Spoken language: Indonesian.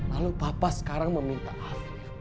lalu papa sekarang meminta maaf